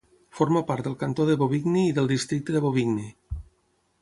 Forma part del cantó de Bobigny i del districte de Bobigny.